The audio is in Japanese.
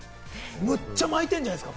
むっちゃまいてるんじゃないですか？